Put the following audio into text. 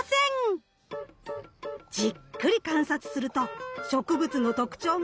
じっくり観察すると植物の特徴が見えてきます。